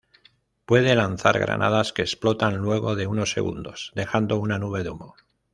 Puede lanzar granadas que explotan luego de unos segundos, dejando un nube de humo.